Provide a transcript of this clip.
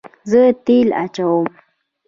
زه تیل اچوم